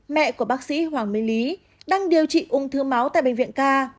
mẹ của bác sĩ hoàng mê lý đang điều trị ung thư máu tại bệnh viện ca